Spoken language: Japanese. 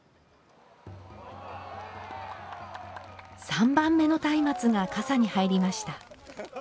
三番目の松明がかさに入りました。